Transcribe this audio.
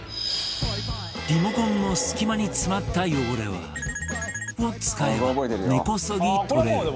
リモコンの隙間に詰まった汚れはを使えば根こそぎ取れる！